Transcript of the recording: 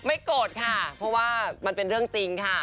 โกรธค่ะเพราะว่ามันเป็นเรื่องจริงค่ะ